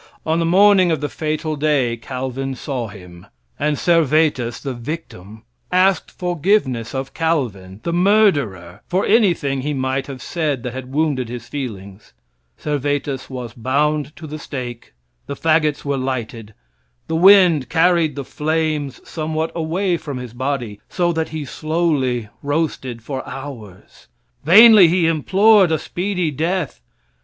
On the morning of the fatal day, Calvin saw him; and Servetus, the victim, asked forgiveness of Calvin, the murderer, for anything he might have said that had wounded his feelings. Servetus was bound to the stake, the fagots were lighted. The wind carried the flames somewhat away from his body, so that he slowly roasted for hours. Vainly he implored a speedy death.